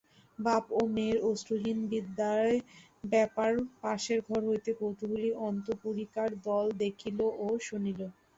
বাপ ও মেয়ের অশ্রুহীন বিদায়ব্যাপার পাশের ঘর হইতে কৌতূহলী অন্তঃপুরিকার দল দেখিল ও শুনিল।